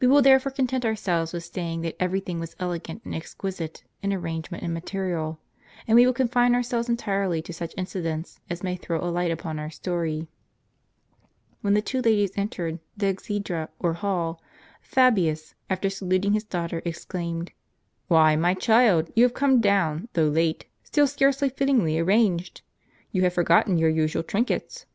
We will therefore content ourselves with saying that every thing was elegant and exquisite in arrangement and material ; and we will confine ourselves entirely to such incidents as may throw a light upon our story. When the two ladies entered the exedra or hall, Fabius, after saluting his daughter, exclaimed, " Why, my child, you have come down, though late, still scarcely fittingly arranged ! You have forgotten your usual trinkets."